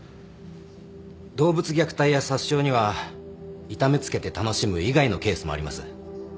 動物虐待や殺傷には痛めつけて楽しむ以外のケースもあります。